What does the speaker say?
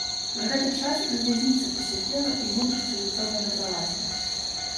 За гэты час і ў вязніцы пасядзела, і мудрасці жыццёвай набралася.